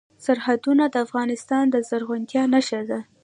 سرحدونه د افغانستان د زرغونتیا نښه ده.